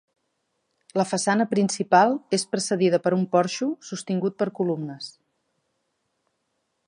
La façana principal és precedida per un porxo, sostingut per columnes.